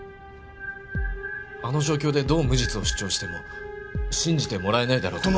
あの状況でどう無実を主張しても信じてもらえないだろうと。